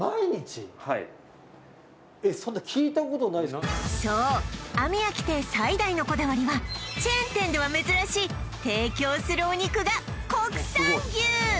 はいそうあみやき亭最大のこだわりはチェーン店では珍しい提供するお肉が国産牛！